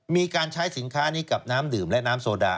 มีการใช้สินค้านี้กับน้ำดื่มและน้ำโซดา